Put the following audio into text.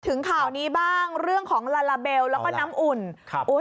ถึงข่าวนี้บ้างเรื่องของลาลาเบลแล้วก็น้ำอุ่น